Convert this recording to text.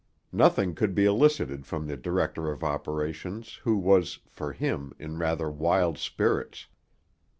Nothing could be elicited from the director of operations, who was, for him, in rather wild spirits.